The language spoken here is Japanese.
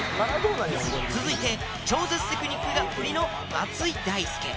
続いて超絶テクニックが売りの松井大輔。